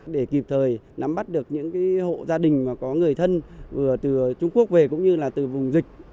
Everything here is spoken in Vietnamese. để kịp thời nắm bắt được những hộ gia đình mà có người thân vừa từ trung quốc về cũng như là từ vùng dịch